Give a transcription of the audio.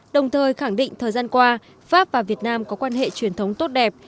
đồng thời khẳng định thời gian qua pháp và việt nam có quan hệ truyền thống tốt đẹp